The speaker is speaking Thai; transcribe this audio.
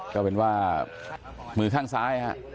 ก็เป็นว่ามือข้างซ้ายฮะ